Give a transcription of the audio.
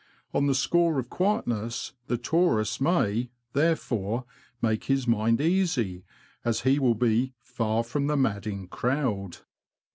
On the score of quietness the tourist may, therefore, make his mind easy, as he will be ''far from the madding crowd."